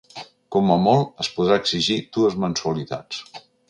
Com a molt, es podrà exigir dues mensualitats.